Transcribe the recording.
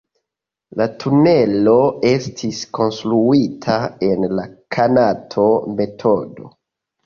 La tunelo estis konstruita en la Kanato-metodo.